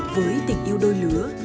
với tình yêu đôi lứa